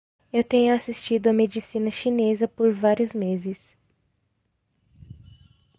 Eu tenho assistido a medicina chinesa por vários meses.